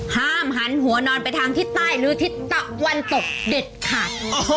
ห้ามหันหัวนอนไปทางทิศใต้หรือทิศตะวันตกเด็ดขาด